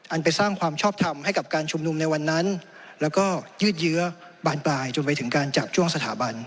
ไปสร้างความชอบทำให้กับการชุมนุมในวันนั้นแล้วก็ยืดเยื้อบานปลายจนไปถึงการจับช่วงสถาบัน